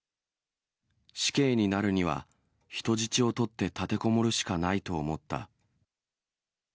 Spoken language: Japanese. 死刑になるには、人質を取って立てこもるしかないと思った。